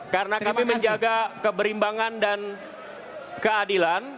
karena kami menjaga keberimbangan dan keadilan